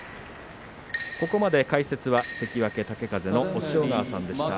ここまで解説は元関脇豪風の押尾川さんでした。